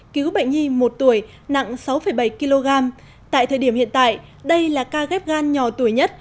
cứu bệnh nhi một tuổi nặng sáu bảy kg tại thời điểm hiện tại đây là ca ghép gan nhỏ tuổi nhất